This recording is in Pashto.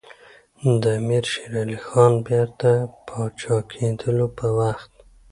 د امیر شېر علي خان بیرته پاچا کېدلو په وخت.